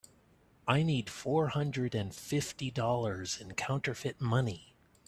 I need four hundred and fifty dollars in counterfeit money.